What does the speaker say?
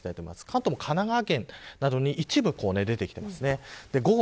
関東も神奈川県などに一部雨予報が出てきています。